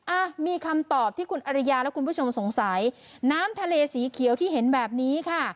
อ่ะมีคำตอบที่คุณอริยาและคุณผู้ชมสงสัยน้ำทะเลสีเขียวที่เห็นแบบนี้ค่ะ